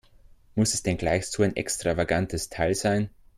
Muss es denn gleich so ein extravagantes Teil sein?